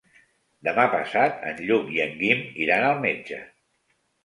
Demà passat en Lluc i en Guim iran al metge.